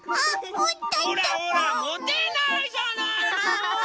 ほらほらもてないじゃないの。